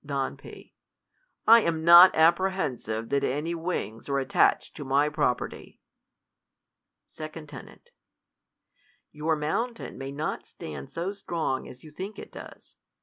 ' Don P. I am not apprehensive that any wrings ar^ attached to my property. 2cL 2\n. Your mountain may not stand so strong as you think it does.